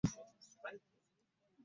Kwataganya ekigambo namakulu gaakyo.